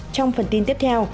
trong phần tin tiếp theo